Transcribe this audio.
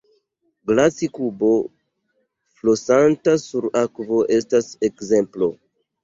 Glaci-kubo flosanta sur akvo estas ekzemplo.